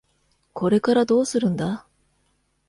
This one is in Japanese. これからどうするんだ？